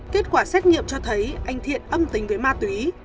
kết quả xét nghiệm cho thấy anh thiện âm tính với ma túy